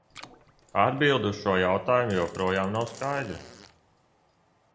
Atbilde uz šo jautājumu joprojām nav skaidra.